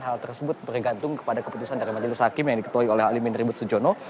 hal tersebut bergantung kepada keputusan dari majelis hakim yang diketuai oleh alimin ribut sujono